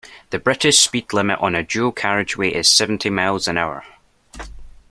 The British speed limit on a dual carriageway is seventy miles an hour